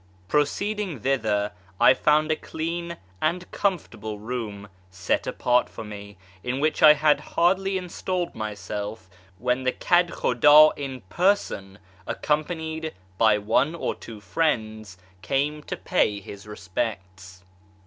Proceeding thither, I found a clean and com fortable room set apart for me, in which I had hardly installed myself when the Kedkhudd in person, accompanied by one or two friends, came to pay his respects.